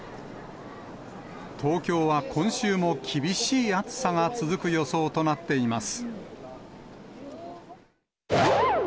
東京は今週も厳しい暑さが続く予想となっています。